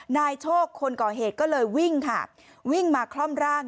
นายโชคคนก่อเหตุก็เลยวิ่งค่ะวิ่งมาคล่อมร่าง